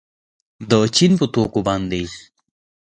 د چین په توکو باندې